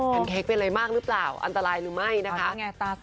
เค้กเป็นอะไรมากหรือเปล่าอันตรายหรือไม่นะคะ